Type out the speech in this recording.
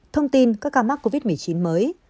thông tin các ca mắc covid một mươi chín mới